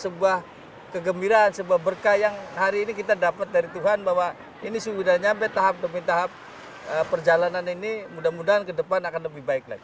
sebuah kegembiraan sebuah berkah yang hari ini kita dapat dari tuhan bahwa ini sudah sampai tahap demi tahap perjalanan ini mudah mudahan ke depan akan lebih baik lagi